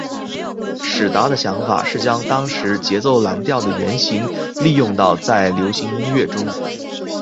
史达的想法是将当时节奏蓝调的原型利用到在流行音乐中。